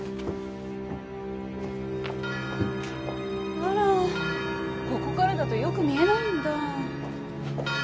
あらここからだとよく見えないんだ。